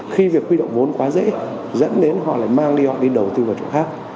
khi việc huy động vốn quá dễ dẫn đến họ lại mang đi họ đi đầu tư vào chỗ khác